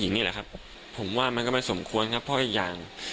นี่แหละครับผมว่ามันก็ไม่สมควรครับเพราะอีกอย่าง